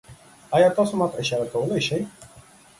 ایا تاسو ما ته اشاره کولی شئ؟